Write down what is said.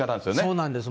そうなんです。